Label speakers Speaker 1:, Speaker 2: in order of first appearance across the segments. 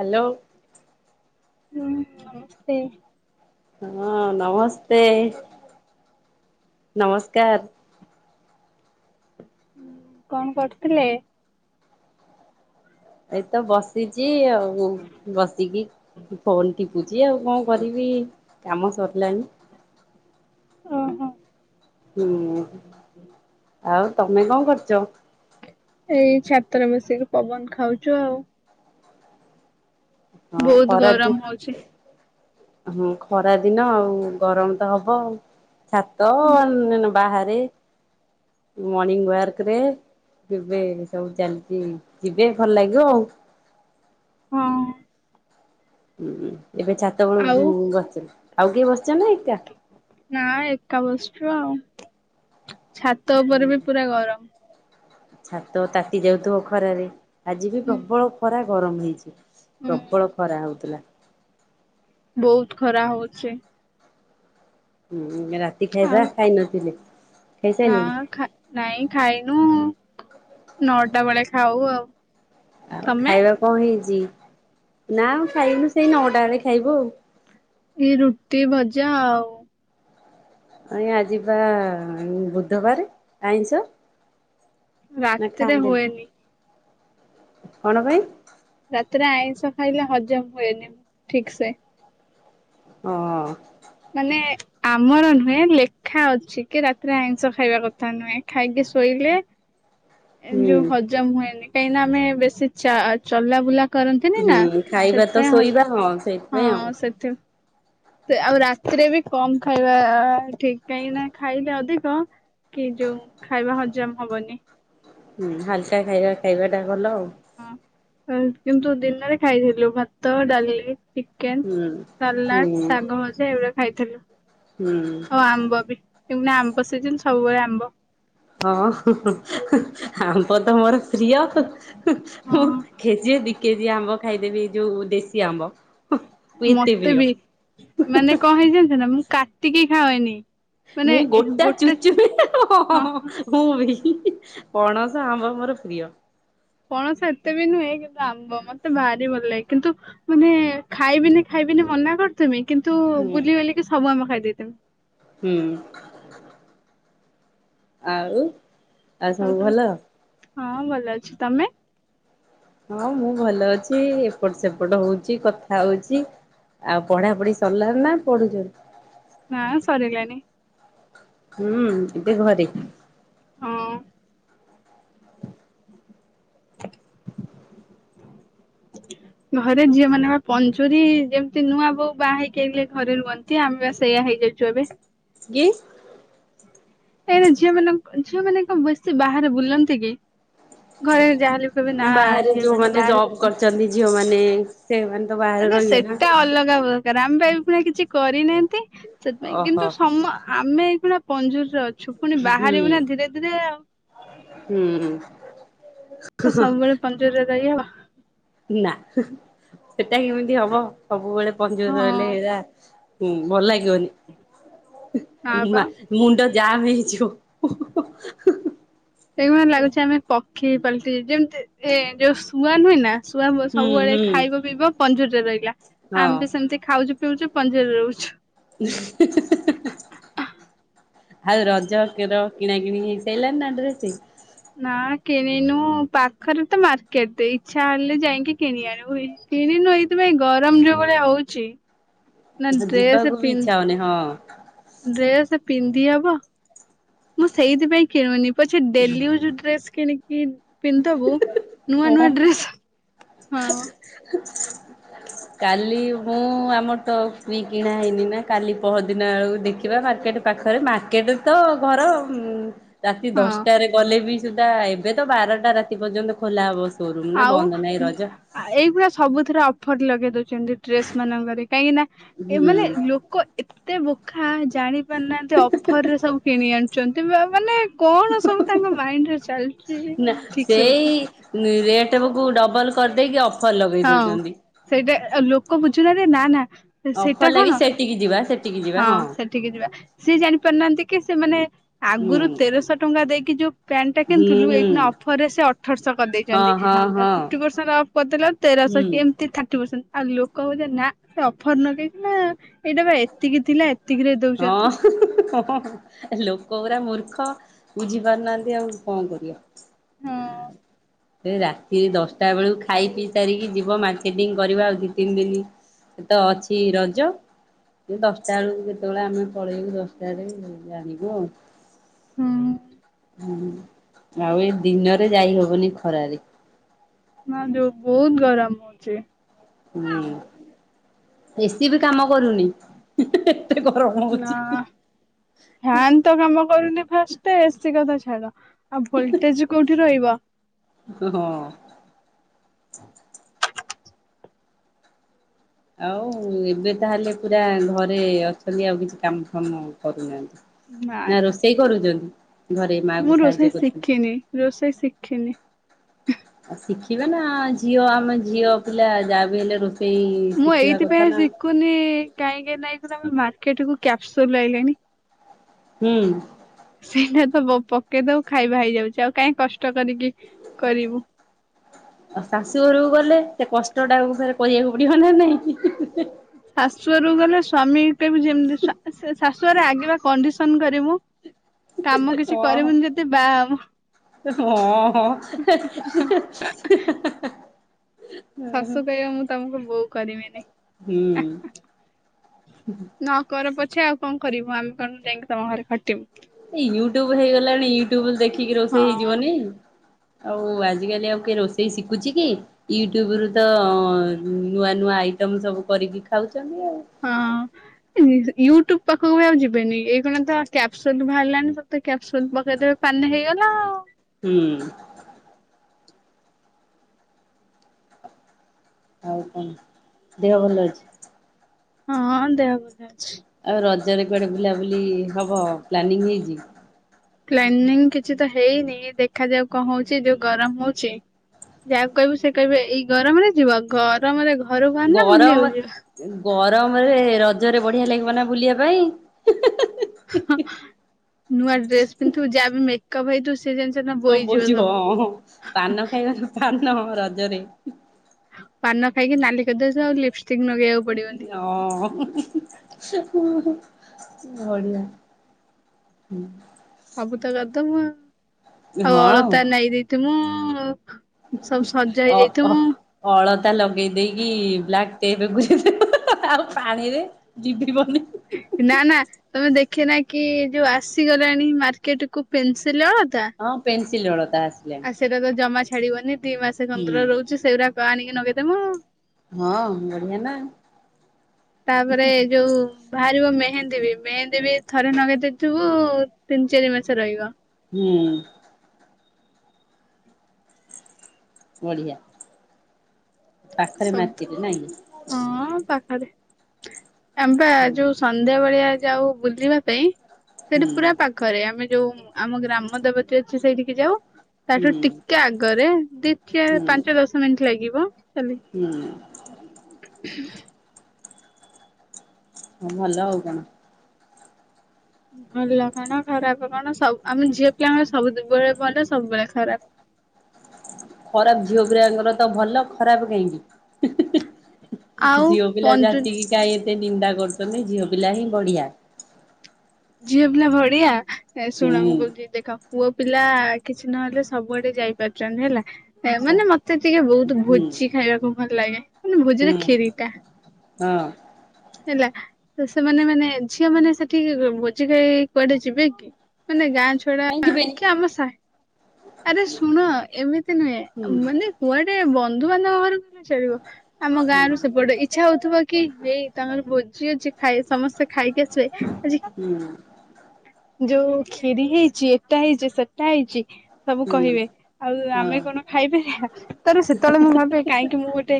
Speaker 1: Hello.
Speaker 2: ହଁ ସେ
Speaker 1: ହଁ ନମସ୍ତେ, ନମସ୍କାର।
Speaker 2: କଣ କରୁଥିଲେ?
Speaker 1: ଏଇ ତ ବସିଚି। ଚି ଆଉ ବସିକି ଫୋନ୍ ଟିପୁଚି ଆଉ କଣ କରିବି କାମ ସରିଲାଣିି।
Speaker 2: ଓ ହୋ।
Speaker 1: ହୁଁ ଆଉ ତମେ କଣ କରୁଛ?
Speaker 2: ଏଇ ଛାତରେ ମିଶିକି ପବନ ଖାଉଛୁ ଆଉ।
Speaker 1: ହଁ
Speaker 2: ବହୁତ
Speaker 1: ଖରା ଦି
Speaker 2: ଗରମ ହଉଛି।
Speaker 1: ହଁ ଖରା ଦିନ ଆଉ ଗରମ ତ ହବ ଆଉ। ଛାତ ବାହାରେ ମର୍ଣିଙ୍ଗ ୱାକ ରେ କେବେ ସବୁ ଚାଲିଛି ଯିବେ ଭଲ ଲାଗିବ ଆଉ।
Speaker 2: ହଁ।
Speaker 1: ହୁଁ ହୁଁ। ଏବେ
Speaker 2: ଆଉ
Speaker 1: ଛାତବେଳୁ ଗଛ ଆଉ କିଏ ବ
Speaker 2: ନା ଏକା ବୁ ଶଛୁଆ ଆଉ। ଛାତ ଉପରେ ବି ପୁରା ଗରମ
Speaker 1: ଛାତ ତାତି ଯାଉଥିବ ଖରାରେ ଆଜି ବି
Speaker 2: ହୁଁ।
Speaker 1: ପ୍ରବଳ ଖରା। ଗରମ ହେଇଛି।
Speaker 2: ହୁଁ
Speaker 1: ପ୍ରବଳ ଖରା ହଉଥିଲା।
Speaker 2: ବହୁତ ଖରା ହଉଛି।
Speaker 1: ହୁଁ। ରାତି
Speaker 2: ଆଉ
Speaker 1: ଖାଇବା ଖାଇ ନଥିଲେ।
Speaker 2: ନା
Speaker 1: ଖାଇସାରିଲେଣି
Speaker 2: ଖାଇ ନାଇଁ ଖାଇନୁ। ନଅଟା ବେଳେ ଖାଉ ଆଉ।
Speaker 1: ଆଉ
Speaker 2: ତମେ?
Speaker 1: ଖାଇବା କଣ ହେଇଛି। ନା ଖାଇନୁ ସେଇ ନଅଟା ବଳେ ଖାଇବୁ ଆଉ।
Speaker 2: ଏଇ ରୁଟି ଭଜା ଆଉ।
Speaker 1: ଆଞା ଆ ଯିବା ବୁଧବାର ଆଇଁଷ ନା
Speaker 2: ରାତ୍ରରେ
Speaker 1: ଖାଆନ୍ତିନି
Speaker 2: ହଏନି
Speaker 1: କଣ ପାଇଁାଇ
Speaker 2: ରାାତରେ ଆଇଁଷ ଖାଇଲେ ହଜମ ହୁଏନି ମୁଁ ଠିକ ସେ
Speaker 1: ହଁ।
Speaker 2: ମାନେ ଆମର ନୁହେଁ ଲେଖା ଅଛି କି ରାତିରେ ଆଇଁଷ ଖାଇବା କଥା ନୁହେଁ ଖାଇକି ଶୋଇଲେ। ଏମ
Speaker 1: ହୁଁ
Speaker 2: ଯୋଉ ହଜମ ହୁଏନି କାହିଁକିନା ଆମେ ବେଶୀ ଚା ଚଲା ବୁଲା
Speaker 1: ହୁଁ ଖାଇବା ତ ଶୋଇବା ହଉଉ
Speaker 2: ହଁ
Speaker 1: ସେଇଥିପାଇଁ ଆଉ।
Speaker 2: ସେଥି ଆଉ ରାତିରେ ବି କମ ଖାଇବା ଠିକ କାହିଁକି ନା ଖାଇଲେ ଅଧିକ କି ଯୋଉ ଖାଇବା ହଜମ ହବନି।
Speaker 1: ଗଲ ଉଁ।
Speaker 2: ହଁ। କିନ୍ତୁ ଦିନରେ ଖାଇଥିଲୁ ଭାତ, ଡାଲି ଚିକେନ,
Speaker 1: ହୁଁ ହୁଁ
Speaker 2: ସାଲାଡ, ଶାଗ ଭଜା ଏଗୁଡା ଖାଇଥିଲୁ।
Speaker 1: ହୁଁ।
Speaker 2: ଆଉ ଆମ୍ବ ବି ଏଉନା ଆମ୍ବ ସେଜିନ ହୁଏ ଆମ୍ବ।
Speaker 1: ହଁ। ହ ତ ମୋର ପ୍ରିୟ ମୁଁ
Speaker 2: ହଁ।
Speaker 1: ଖଜିଏ ଦି କେଜି ଆମ୍ବ ଖାଇଦେବି। ଯୋଉ ଦେଶୀ ଆମ୍ବ। ମୁଁ ଏତେ
Speaker 2: ମତେ
Speaker 1: ପ୍ରିୟ।
Speaker 2: ବି। ମାନେ କଣ ହେଇଛି ଯାନିଚନା ମୁଁ କାଟିକି ଖାାଉଏନି।
Speaker 1: ମୁଁ ଗୋଟା ଚୁଚୁମି,
Speaker 2: ହଁ ହଁ
Speaker 1: ମୁଁ ବି ପଣସ ଆମ୍ବ ମୋର ପ୍ରିୟ।
Speaker 2: ପଣସ ଏତେ ବି ନୁହେଁ କିନ୍ତୁ ଆମ୍ବ ମତେ ଭାରି ଭଲଲାଗେ କିନ୍ତୁ ମାନେ ଖାଇବିନି ଖାଇବିନି ମନା କରୁଥିବି କିନ୍ତୁ
Speaker 1: ହୁଁ
Speaker 2: ବୁଲି ବାଲିକି ସବୁ ଆମ ଖାଇ ଦେତିନ
Speaker 1: ହୁଁ। ଆଉ- ଆଉ ସବୁ ଭଲ।
Speaker 2: ହଁ ଭଲ ଅଛି ତମେ?
Speaker 1: ହଁ ମୁଁ ଭଲ ଅଛି। ଏପଟ ସେପଟ ହଉଛି କଥା ହଉଛି ଆଉ ପଢା ପଢି ସରିଲା ନା ପଢୁଛନ୍ତି।
Speaker 2: ନାଁ ସରିଗଲାଣିି।
Speaker 1: ହୁଁ, ଏବେ ଘରେ।
Speaker 2: ହଁ- ଘରେ ଝିଅ ମାନେ ବା ପଞ୍ଚୁରୀ ଯେମିତି ନୂଆ ବୋଉ ବାହା ହେଇକ ଆଇଲେ ଘରେ ରୁହନ୍ତି ଆମେ ସେଇଆ ହେଇଯାଇଛୁ ଏବେ।
Speaker 1: ଗି
Speaker 2: ଏାଁ ଝିଅ ମାନଙ୍କ ଝିଅ ମାନେ କଣ ବେଶୀ ବାହାରେ ବୁଲନ୍ତି କି। ଘରେ ଯାହାହେଲେ କହିବେ ନା
Speaker 1: ବାହାରେ
Speaker 2: ଝିଅମାନେ
Speaker 1: ଯୋଉମାନେ
Speaker 2: ବାହାରେ
Speaker 1: ଜବ୍ କରିଛନ୍ତି ଝିଅମାନେ ସେମାନେ ତ ବାହାରେ
Speaker 2: ଏନା
Speaker 1: ରହିବେ ନା।
Speaker 2: ସେଟା ଅଲଗା ହ ରାମବାଇ ପୁଣି କିଛି କରିନାହାନ୍ତି। ସେଥିପାଇଁ
Speaker 1: ଓହୋ
Speaker 2: କିନ୍ତୁ ସମ ଆମେ ଏଇଖୁଣା ପଞ୍ଜୁର ରଜ ଶୁପୁଣି
Speaker 1: ହୁଁ
Speaker 2: ବାହାରିବୁ ନା ଧୀରେ ଧୀରେ ଆଉ
Speaker 1: ହୁଁ।
Speaker 2: ତ ସବୁବେଳେ ପଜୁରୀ ରେ ରହିହବ।
Speaker 1: ନା। ଏଟା କେମିତି ହବ ସବୁବେଳେ ପଞ୍ଜୁରୀ ରେ ରହଲେ
Speaker 2: ହଁ
Speaker 1: ହେରା ହୁଁ ଭଲ ଲାଗିବନି।
Speaker 2: ହଁ
Speaker 1: ହୁଁ ହୁଁ
Speaker 2: ପା।
Speaker 1: ହା ମୁଣ୍ଡ ଯାହା ହେଇଛୁ-
Speaker 2: ଏଇମିତି ଲାଗୁଛି ଆମେ ପ ଖି ପାଲଟି ଯେମିତି ଏ ଯୋଉ ଶୁଆ ନୁଏ ନା ଶୁଆ
Speaker 1: ହୁଁ
Speaker 2: ସବୁବେଳେ
Speaker 1: ହୁଁ
Speaker 2: ଖାଇବ ପିଇବ ପଞ୍ଜୁରରେ ରହଲା
Speaker 1: ହଁ।
Speaker 2: ଆମେ ଭି ସେମିତି ଖାଉଛୁ ରହୁଛୁ ପଞ୍ଜୁରୀରେ ରହୁଛୁ।
Speaker 1: [inaudible] ଆଉ ରଜକର କିଣା କିିଣି ହେଇସଇିଲଣିି ନା ଡ୍ରେସ।
Speaker 2: ନା କିଣିନୁ ପାଖରେ ତ ମାର୍କେଟ ଇଚ୍ଛା ହେଲେ ଯାଇକି କିଣି ଆଣିବୁ କିଣିନୁ ଏଇଥିପାଇଁ ଗରମ ଯୋଉଭଳିଆ ହଉଛି। ନା ଡ୍ରେସ
Speaker 1: ଜିବାକୁ ବି ଇଚ୍ଛା
Speaker 2: ପିନ୍ଧି
Speaker 1: ହଉନି ହଁ। ହଁ।
Speaker 2: ଡ୍ରେସ ପିନ୍ଧି ହବ ମୁଁ ସେଇଥିପାଇଁ କିଣୁନି। ପଛେ ଦେଲି ଉଜ ଡ୍ରେସ୍ କିଣିକି କି ପିନ୍ତାବୁ ନୂଆ ନୂଆ ଡ୍ରେସ୍ ହଁ।
Speaker 1: କାଲି ମୁଁ ଆମ [unintelligible] କିଣା ହେଇନି ନା କାଲି ପହର ଦିନ ଆଡ଼କୁ ଦେଖିବା ମାର୍କେଟ ପାଖରେ ମାର୍କେଟରେ ତ ଘର। ରାତି
Speaker 2: ହଁ
Speaker 1: ଦଶଟାରେ ଗଲେ ବି ସୁଧା ଏବେ ତ ବାରଟା ରାତି ପର୍ଯ୍ୟନ୍ତ ଖୋଲା ହବ। ସୋରୁମ ନା
Speaker 2: ଆଉ
Speaker 1: ବନ୍ଦ ନାହିଁ ରଜ
Speaker 2: ଏଇଭଳିଆ ସବୁଥିଥରେ ଅଫର ଲଗେଇ। ଡ୍ରେସ ମାନଙ୍କରେ କାହିଁକି ନା ଏ
Speaker 1: ହୁଁ
Speaker 2: ମାନେ ଲୋକ ଏତେ ବୋକା ଜାଣି ଜାଣିପାରୁନାହାନ୍ତି ଅଫର ରେ ସବୁ କିଣି ଆଣି ମାନେ କଣ ସବୁ ତାଙ୍କ ମାଇଣ୍ଡ ର ଚାଲ
Speaker 1: ନା ସେଇରେ। ତେବେକୁ ଡବଲ୍ କରିଦେଇକି ଅଫ୍।
Speaker 2: ହଁ ସେଇଟା ଲୋକ ବୁ ଚୁନ ରେ ନା ନା।
Speaker 1: ଅଫର
Speaker 2: ସେଇଟା
Speaker 1: ଲାଗି
Speaker 2: କଣ
Speaker 1: ସେଠିକି ଯିବା ସେଠିକି ଯିବା
Speaker 2: ହଁ ସେଠିକି ଯିବା ସିଏ ଜାଣିପାରୁନାହାନ୍ତି କି ସେମାନୋନେ
Speaker 1: ହୁଁ
Speaker 2: ଆଗରୁ ତେରଶହ ଟଙ୍କା ଦେଇକି ଯୋଉ ପ୍ୟାଣ୍ଟ ଟା
Speaker 1: ହୁଁ
Speaker 2: କିଣିଥିଲୁ ଏଇ
Speaker 1: ହୁଁ।
Speaker 2: ଅଫରରେ ସେ ଅଠରଶହ
Speaker 1: ହଁ
Speaker 2: କରିଦେଇଛନ୍ତି।
Speaker 1: ହଁ ହଁ
Speaker 2: ଫିପ୍ଟି ପରସେଣ୍ଟ ଅଫ କରିଦେଲା ଠୁ ସ
Speaker 1: ହୁଁ।
Speaker 2: କେମିତି ଥା ପ୍ଟି ପେସେଣ୍ଟ ଆଉ ଲୋକ ହଉ ନା ସେ ଅଫର ନକେଇ ନା ଏଇଟା ବା ଏତିକି ଥିଲା ଏ
Speaker 1: ହଁ ହୁ ହଁ ହଁ ହ୍ୟାଲୋ। କଉରା ମୂର୍ଖ ବୁଝି ପାରୁନାହାନ୍ତି ଆଉ କଣ କରିବ।
Speaker 2: ହଁ
Speaker 1: ଆ ସେ ରାତିରେ ଦଶଟା ବେଳକୁ ଖାଇ ପିଇ ସାରିକି ଯିବ ମାର୍କେଟିଂ କରିବା ଆଉ ଦି ତିନି ଦିନ ତ ଅଛି ରଜ ଦଶଟା ବେଳକୁ ସେତେବେଳେ ଆମେ ପଳେଇବୁ ଦଶଟାରେ ଜାଣିବୁ ଆଉ।
Speaker 2: ହୁଁ।
Speaker 1: ହୁଁ ଆଉ ଏଇ ଦିନରେ ଯାଇ ହବନି ଖରାରେ।
Speaker 2: ମା ଯଉ ବହୁତ ଗରମ ହଉଛି
Speaker 1: ବେଶୀ ବି କାମ କରୁନି ହଁ ହିଁ।
Speaker 2: ନା ଫ୍ୟାନ୍ ତ କାମ କରୁନି ଫାଷ୍ଟଟେ ଏ ସେ କଥା ଛାଡ ଆଉ ଭୋଲଟେଜ କୋଉଠି ରହିବ [inaudible]
Speaker 1: ଓ ହଁ। ଆଉ ଏବେ ତାହେଲେ ପୁରା ଘରେ ଅଛନ୍ତି ଆଉ କିଛି କାମ ଫାମ କରୁନାହାନ୍ତି।
Speaker 2: ନାଇଁ
Speaker 1: ନା ରୋଷେଇ କରୁଛନ୍ତି? ଘରେ ମା କୁ
Speaker 2: ମୁଁ
Speaker 1: ସାହାଯ୍ୟ
Speaker 2: ରୋଷେଇ
Speaker 1: କରୁଛନ୍ତି।
Speaker 2: ଶିଖିନି ରୋଷେଇ ଶିଖିନି
Speaker 1: ଶିଖିଵା ନା ଝିଅ ଆମ ଝିଅ ପିଲା ଯାହା ବି ହେଲେ ରୋଷେଇ
Speaker 2: ମୁଁ
Speaker 1: ଶିଖିବା କଥା
Speaker 2: ଏଇଥିପାଇ
Speaker 1: ନା।
Speaker 2: ଶିଖୁନି କାହିଁକି ନାଇଁ ପୁରା ମାର୍କେଟକୁ କ୍ୟାପସୁଲ ଆଇଲାଣି
Speaker 1: ହୁଁ।
Speaker 2: ସେଇଟା ତ ପ ପକେଇ ଦେବୁ ଖାଇବା ହେଇଯାଉଛି ଆଉ କାଇହିଁ କଷ୍ଟ କରିକି କରିବୁ।
Speaker 1: ଆଉ ଶାଶୁ ଘରକୁ ଗଲେ ସେ କଷ୍ଟଟାକୁ ପରେ କରିବାକୁ ପଡିବ ନା ନାଇଁ
Speaker 2: ଶାଶୁ ଘରୁ ଗଲେ ସ୍ଵାମୀ କେ ବି ଯେମିତି ସ୍ୱା ସେ ଶାଶୁ ଘରେ ଆଗେ ଵା କଣ୍ଡିସନ କରିମୁ କାମ କିଛି କରିବୁନି
Speaker 1: ହଁ
Speaker 2: ଯଦି ବାହା ହେବୁ
Speaker 1: ହଁ
Speaker 2: ଶାଶୁ କହିବା ମୁଁ ତମକୁ ବହୁ କରିବିନି
Speaker 1: ହୁଁ।
Speaker 2: ଛେ ଆଉ କଣ କରିବୁ ଆମେ କଣ ଯାଇକି ତମ ଘରେ ଖଟିବୁ।
Speaker 1: ଏଇ ୟୁଟ୍ୟୁବ ହେଇଗଲାଣି ୟୁଟ୍ୟୁବ ଦେଖି କି ରୋଷେଇ
Speaker 2: ହଁ
Speaker 1: ହେଇଯିବନି? ଆଉ ଆଜିକାଲି ଆଉ କିଏ ରୋଷେଇ ଶିଖୁଛି କି ୟୁଟ୍ୟୁବ ରୁ ତ ନୂଆ ନୂଆ ଆଇଟମ ସବୁ କରିକି ଖାଉଛି ଦାମି ଆଉ।
Speaker 2: ହଁ। ୟୁଟ୍ୟୁବ ପାଖକୁ ବି ଆଉ ଯିବେନି ଏଇ କଣ ତ କ୍ୟାପସନ୍ ବାହାରିଲାନି ତ କ୍ୟାପସନ୍ ପକେଇଦେବେ ପାଣିରେ ହେଇଗଲା ଆଉ।
Speaker 1: ହୁଁ। ଆଉ କଣ ଦେହ ଭଲ ଅଛି?
Speaker 2: ହଁ ଦେହ ଭ ଆଛ୍
Speaker 1: ଆଉ ରଜରେ କୁଆଡେ ବୁଲାବୁଲି ହବ ପ୍ଲାନିଂ ହେଇଛି?
Speaker 2: ପ୍ଲାନିଂ କିଛି ତ ହେଇନି ଦେଖାଯାଉ କଣ ହଉଛି ଯୋଉ ଗରମ ହଉଛି ଯାହାକୁ କହିବ ସେ କହିବେ ଏଇ ଗରମରେ ଯିବ, ଗରମରେ ଘରୁ ବାହରନା
Speaker 1: ଗରମ
Speaker 2: ବୁଲିବାକୁ ଯିବ?
Speaker 1: ଗରମରେ ରଜରେ ବଢିଆ ଲାଗିବ ନା ବୁଲିବା ପାଇଁ ହିଁ ହିଁ ହିଁ।
Speaker 2: ନୂଆ ଡ୍ରେସ୍ ପିନ୍ଧିଥିବୁ ଯାହା ବି ମେକପ୍ ହେଇଥିବୁ ସେ ଜିନିଷ
Speaker 1: ସବୁ
Speaker 2: ବୋଇଯିବ
Speaker 1: ବୋହି ଯିବ
Speaker 2: ସବୁ
Speaker 1: ହଁ ପାନ ଖାଇବା ତ ପାନ ହଁ ରଜରେ।
Speaker 2: ପାନ ଖାଇକି ନାଲି କରିଦେଇଥିବା ଆଉ ଲିପ୍ସ
Speaker 1: ହଁଅ ହ ହୁ ହ ହଁ। ଘଡ଼ିଆ ହୁଁ
Speaker 2: ବୁତ ଗଦମାଉ ଆଉ ଅଳତା ନାଇଦେଇ ତ ମୁଁ
Speaker 1: ଅ-ଅ-ଅଳତା ଲଗେଇ ଦେଇ କି? ଲାଗତେ ଏବେ ବୁଝୁଛୁ। [unintelligible] ଆଉ ପାଣିରେ ଯିଭି ଭନି।
Speaker 2: ନା ନା ତମେ ଦେଖେ ନା କି ଯୋଉ ଆସିଗଲାଣି ମାର୍କେଟ କୁ ପେନସ୍ ସିଲଅତା
Speaker 1: ଚିଲଳ
Speaker 2: ଆ ସେଇଟା ତ ଜମାଛା ଛାଡ଼ିବନି। ଦି ମାସ
Speaker 1: ହୁଁ।
Speaker 2: ପନ୍ଦର ରହୁଛି ସେଗୁରାକ ପା ଆଣିକି ନଗେଇଦେମ -ଅ।
Speaker 1: ହଁ ବଢ଼ିଆ ନା।
Speaker 2: ତାପରେ ଯୋଉ ବାହାରିବ ମେହେନ୍ଦୀ ବି ମେହେନ୍ଦୀ ବି ଥରେ ନଗେଇ ଦେଇଥିବୁ ତିନି ଚାରି ମାସ ରହିବ।
Speaker 1: ହୁଁ। ବଢ଼ିଆ। ପାଖରେ
Speaker 2: ଶବ୍ଦ
Speaker 1: ମାର୍କେଟେ ନାଇଁକି?
Speaker 2: [inaudible] ଆମ୍ ପା ଯୋଉ ସନ୍ଧ୍ୟା ବଳିଆ ଯାଉ ବୁଲିବା ପାଇଁ ସେଠି
Speaker 1: ହୁଁ
Speaker 2: ପୁରା ପାଖରେ ଆମେ ଯୋଉ ଆମ ଗ୍ରାମ ଦେବତୀ ଅଛି ସେଇଠିକି ଯାଉ। ତାଠୁ
Speaker 1: ହୁଁ
Speaker 2: ଟିକେ ଆଗରେ ଦିି ଚାର୍ ପାଞ୍ଚ ଦଶ ମିନଟି ଲାଗିବ। ଚାଲି
Speaker 1: ହୁଁ। ହ ମହଲା ହଉଗଣ
Speaker 2: ଭଲ କଣ ଖରାପ କଣ ସବୁ ଆମେ ଝିଅ ପିଲାଙ୍କ ସବୁବେଳେ ବଲେ ସବୁବେଳେ ଖରାପ
Speaker 1: ଖରାପ ଝିଅ ପିଲା ଙ୍କର ତ ଭଲ ଖରାପ କାହିଁକି?
Speaker 2: ଆଉ
Speaker 1: ଜଝିଓ ପିଲ
Speaker 2: ପଞ୍ଜୁ
Speaker 1: ଯନ୍ତି କି କ ସେ ନିନ୍ଦା କରୁଛନ୍ତିଛନ୍ତି ଝିଅ ପିଲା ହିଁ ବଢିଆ।
Speaker 2: ଝିଅ ପିଲା ଭଢିଆ ହେ ଶୁଣ
Speaker 1: ହୁଁ
Speaker 2: ଗୁଲଦ ଦେଖା ପୁଅ ପିଲା କିଛି ନହେଲେ ସବୁଆଡେ ଯାଇପାରୁଛନ୍ତି ହେଲା ମାନେ
Speaker 1: ସବୁ
Speaker 2: ମତେ ଟିକେ ବହୁତ
Speaker 1: ହୁଁ
Speaker 2: ଭୋଜି ଖାଇବାକୁ ଭଲ ଲାଗେ ମାନେ ଭୋଜିରେ
Speaker 1: ହୁଁ
Speaker 2: କ୍ଷିରୀ ଟା
Speaker 1: ହଁ
Speaker 2: ହେଲା, ତ ସେମାନେ ମାନେ ଝିଅ ମାନେ ସେଠି ଭୋଜି ଖାଇ କୁଆଡେ ଯିବେ କି ମାନେ ଗାଁ ଛଡା
Speaker 1: କାହିଁ ଯିବେନି
Speaker 2: କି ଆମ ସାହି, ଆରେ ଶୁଣ ଏମିତି ନୁହେଁ
Speaker 1: ହୁଁ
Speaker 2: ମାନେ କୁଆଡେ ବନ୍ଧୁବାନ୍ଧବ। ଚଳିବ। ଆମ
Speaker 1: ହୁଁ
Speaker 2: ଗାଁରୁ ସେପଟେ ଇଚ୍ଛା ହଉଥିବ କି ହେଇ ତମର ହଉଛି ଖାଇ ସମସ୍ତେ ଖାଇକି ଆସିବେ ଆଜି
Speaker 1: ହୁଁ
Speaker 2: ଯୋଉ କ୍ଷୀରି ହେଇଛି ଏଟା ହେଇଛି ସେଟା ହେଇଛି ସବୁ
Speaker 1: ହୁଁ
Speaker 2: କହିବେ ଆଉ
Speaker 1: ହଁ
Speaker 2: ଆମେ କଣ ଖାଇପାରିଆ। ତ ସେତେବେଳେ ମୁଁ ଭାବେ କାହିଁକି ମୁଁ ଗୋଟେ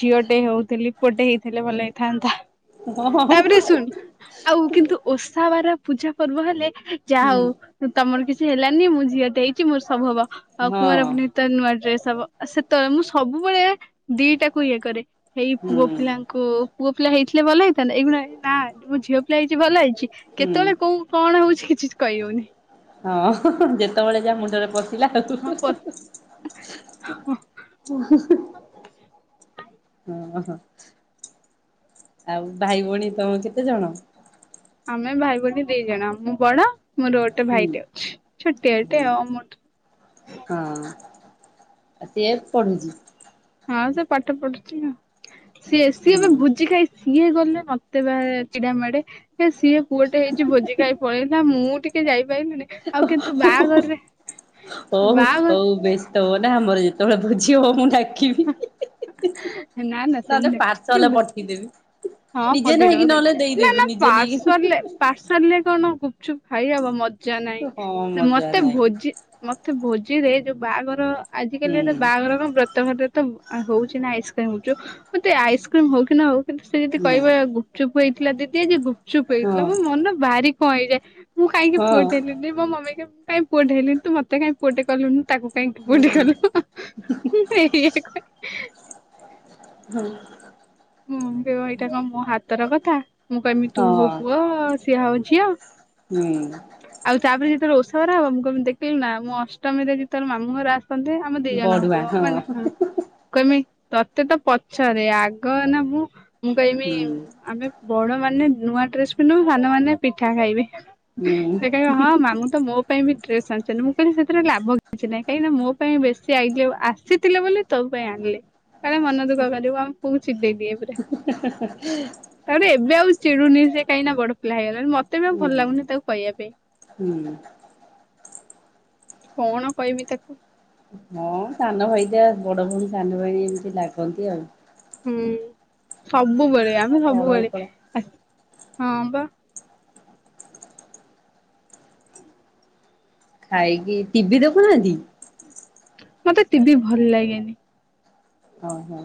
Speaker 2: ଝିଅ ଟେ ହଉଥିଲି ଗୋଟେ ହେଇଥିଲେ ଭଲ ହେଇଥାନ୍ତା।
Speaker 1: ହଁ ହଁ
Speaker 2: ତାପରେ ଶୁଣ, ଆଉ କିନ୍ତୁ ଓଷା ବାର ପୂଜା ପର୍ବ ହେଲେ ଯାହା
Speaker 1: ହୁଁ
Speaker 2: ହଉ ତମର କିଛି ହେଲାନି ମୁଁ ଝଅଟେ ମୋର ସବୁ ହବ। ଆଉ
Speaker 1: ହଁ
Speaker 2: କୁଆଁର ପୁନେଇ ତ ନୂଆ ଡ୍ରେସ ହବ ସେତେବେଳେ ମୁଁ ସବୁବେଳେ ଏଇଆ ଦିଟା କୁ ଇଏ କରେ ହେଇ ପୁଅ
Speaker 1: ହୁଁ
Speaker 2: ପିଲାଙ୍କୁ ପୁଅ ପିଲା ହେଇ ଥିଲେ ଭଲ ହେଇଥାନ୍ତା, ଏ ନା ମୁଁ ଝିଅ ପିଲା ହେଇଛି ଭଲ ହେଇଛି
Speaker 1: ହୁଁ
Speaker 2: କେତେବେଳେ କଣ ହଉଛି କିଛି କହିହଉନି।
Speaker 1: ହଁ, ଯେତେବେଳେ ଯା ମୁଣ୍ଡରେ ଲା ଆଉ
Speaker 2: ହଁ ପ [unintelligible]
Speaker 1: ହଁ - ହଁ, ଆଉ ଭାଇ ଭଉଣୀ ତମେ କେତେ ଜଣ?
Speaker 2: ଆମେ ଭାଇ ଭଉଣୀ ଦି ଜଣ। ମୁଁ ବଡ ମୋର ଗୋଟେ
Speaker 1: ହୁଁ
Speaker 2: ଭାଇଟେ ଅଛି ଛୋଟିଆଟେ
Speaker 1: ହୁଁ
Speaker 2: ଆଉ ମୋ
Speaker 1: ହଁ ଆଉ ସିଏ ପଢୁଛି।
Speaker 2: ହଁ ସେ ପାଠ ପଢୁଛି ସିଏ ସିଏ
Speaker 1: ହୁଁ
Speaker 2: ଏବେ ଭୋଜି ଖାଇ ସିଏ ଗଲେ ମତେ ବା ଚିଡା ମାଡେ। ହେ ସିଏ ପୁଅଟେ ହେଇଛି ଭୋଜି ଖାଇ ପଳେଇ ନା ମୁଁ ଟିକେ ଯାଇବି ପାଇିଲୁଣି ଆଉ କିନ୍ତୁ ବାହାଘରରେ
Speaker 1: ହଉ ହଉ
Speaker 2: ବାହାଘର
Speaker 1: ବେଶ ତବ ା ମର ଯେତବେ ବୁଝିବ ମୁଁ ନା
Speaker 2: ନା ନା
Speaker 1: ନହେଲେ
Speaker 2: ସେମିତି ନାଇଁ
Speaker 1: ପାର୍ସଲ
Speaker 2: ଯୋଉ
Speaker 1: ପଠେଇଦେବି
Speaker 2: ହଁ
Speaker 1: ନିଜେ
Speaker 2: ପଧର
Speaker 1: ନାହିଁକି
Speaker 2: ବଧ
Speaker 1: ନହେଲେ
Speaker 2: ନା
Speaker 1: ଦେଇଦେବି
Speaker 2: ନା
Speaker 1: ନିଜେ ନେଇକି
Speaker 2: ପାର୍ସଲରେ ପାର୍ସଲ ରେ କଣ ଛୁ ଖାଇବାବ ମଜା ନାହିଁ
Speaker 1: ହଁ
Speaker 2: ସେ
Speaker 1: ମଜା
Speaker 2: ମତେ
Speaker 1: ନାଇଁ
Speaker 2: ଭୋଜି ମତେ ଭୋଜି ରେ ଯୋଉ ବାହାଘର ଆଜ
Speaker 1: ହୁଁ
Speaker 2: କାଲି ତ ବାହାଘର କଣ ବ୍ରତ ଘରରେ ତ ଆଉ ହଉଛି ନା ଆଇସ୍କ୍ରିମ ହଉଛି ମତେ ଆଇସ୍କ୍ରିମ ହଉ କି ନା ହଉ କି
Speaker 1: ହୁଁ।
Speaker 2: କହିବା ଗୁପଚୁପ ଇଥିଲା ଦିଦିଆ ଯୋଗୁ ସୁୁପ
Speaker 1: ହଁ
Speaker 2: ହେଇଥିଲା ମ ମନ ଭାରି ହଁଇ ଯୋ ମୁଁ ଖାଇକେ
Speaker 1: ହଁ
Speaker 2: ପୁଅଟଲି ଦ ମୋ ମାମେକେ କାଇଁ ପୁଅଟ ହେଲିି ତତ କାଇଁ ପୁଅଟେ କଲୁ ତାକୁ କାଇଁ କିପଟ
Speaker 1: ହୁଁ
Speaker 2: କଲୁ ମୁଁ ଏଇ କ
Speaker 1: ହଁ
Speaker 2: ହୁଁ ବ୍ୟବହାରତା କଣ ମୁଁ ହାତ ତର କଥା ମୁଁ କ ଆମ ତୁ ହ
Speaker 1: ହଁ।
Speaker 2: କୁ ଆ ସିଆ ହଉଛି ଆ
Speaker 1: ହୁଁ
Speaker 2: ଆଉ ତାପରେ ଯେତେଳେ ରୋଷ ଥରା ହବ ମୁଁ କେମିତି ଦେଖିଲି ନା ମୁଁ ଅଷ୍ଟମୀରେ ଯି ତୋ ମାମୁଁ ର ଆ ଆମ ଦି
Speaker 1: ବଢୁଆ
Speaker 2: ଜଣଙ୍କୁ
Speaker 1: ହଁ ହୁଁ
Speaker 2: ମାନେ କେମି ତତେ ତ ପଛରେ ଆଗ କନା ମୁୁ ମୁଁ କହିବି
Speaker 1: ହୁଁ
Speaker 2: ଆମେ ବଣ ମାନେ ନୂଆ ଡ୍ରେସ ପିନ୍ଧୁ ସାନ ମମାନେ ପିଠା ଖାଇବେ ସେ କ ହଁ ମାମୁଁ ତ ମୋ ପାଇଁ ବି ମୁଁ କହିଲି ସେଥିରେ ଲାଭ କିଛି ନାହିଁ କାହିଁକିନା ମୋ ପାଇଁ ବେଶୀ ଆଇ ଆସିଥିଲେ ବୋଲି ତୋ ପାଇଁ ଆଣିଲି। କଳେେ ମନ ଦୁଖ କଲି ଆ ଦେଇଦିଏ ପରେ ତାରେ ଏବେ ଆଉ ଚିୁନି ସୋହିଁକି ବଡ ପିଲା ହେଇଯଛି। ମତେ ବି ଆଉ ଭଲ
Speaker 1: ହୁଁ।
Speaker 2: ଲାଗୁନି ତାକୁ କହିବା ପାଇଁ
Speaker 1: ହୁଁ
Speaker 2: କଣ କହିବି ତାକୁ
Speaker 1: ହଁ ସାନ ଭାଇଟ ବଡ ଭଉଣୀ ସାନ ଭାଇଣୀ ଏମିତି ଲାଗନ୍ତି ଆଉ।
Speaker 2: ହୁଁ ସବୁବେଳେ ଆମେ
Speaker 1: ତଳ
Speaker 2: ସବୁବେଳେ
Speaker 1: ଉପଳ
Speaker 2: ଆ ହଁ ବା।
Speaker 1: ଖାଇକି ଟିଭିି ଦେଖୁନାହାନ୍ତି।
Speaker 2: ମତେ ଟିଭି ଭଲ ଲାଗେନି
Speaker 1: ହଁ ହୋ।